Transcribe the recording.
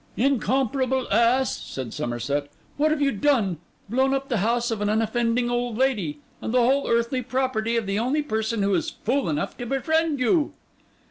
'Incomparable ass!' said Somerset, 'what have you done? Blown up the house of an unoffending old lady, and the whole earthly property of the only person who is fool enough to befriend you!